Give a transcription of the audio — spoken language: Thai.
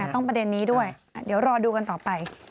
ประเด็นนี้ด้วยเดี๋ยวรอดูกันต่อไป